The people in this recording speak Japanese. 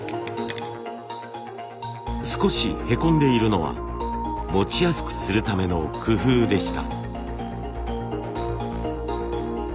少しへこんでいるのは持ちやすくするための工夫でした。